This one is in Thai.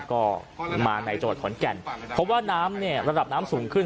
ก็มาในจังหวัดขอนแก่นเพราะว่าน้ำเนี่ยระดับน้ำสูงขึ้น